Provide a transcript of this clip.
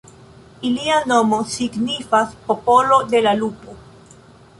Ilia nomo signifas "popolo de la lupo".